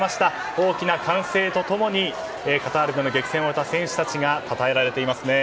大きな歓声と共にカタールでの激戦を終えた選手たちがたたえられていますね。